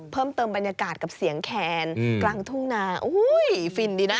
เพิ่มเติมบรรยากาศกับเสียงแคนกลางทุ่งนาโอ้โหฟินดีนะ